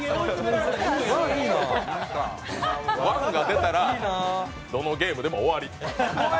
「ワン」が出たら、どのゲームでも終わり！